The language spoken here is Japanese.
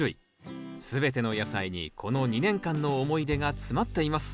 全ての野菜にこの２年間の思い出が詰まっています。